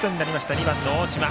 ２番の大島。